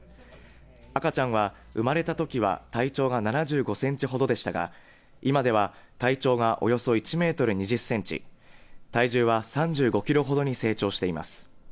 赤ちゃんは生まれたときは体長が７５センチほどでしたが今では体長がおよそ１メートル２０センチ体重は３５キロほどに成長しています。